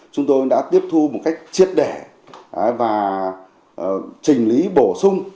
chúng tôi đã tiếp thu một cách chiết đẻ và chỉnh lý bổ sung